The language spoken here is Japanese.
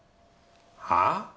はあ？